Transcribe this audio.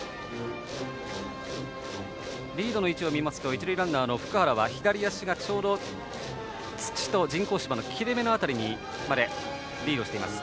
リードの位置を見ますと一塁ランナーの福原は左足がちょうど、土と人工芝の切れ目の辺りまでリードしています。